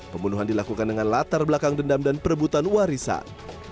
pembunuhan dilakukan dengan latar belakang dendam dan perebutan warisan